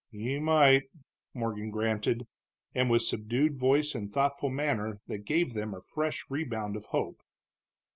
"He might," Morgan granted, and with subdued voice and thoughtful manner that gave them a fresh rebound of hope.